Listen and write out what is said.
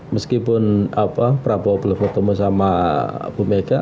meskipun prabowo belum bertemu sama bumeka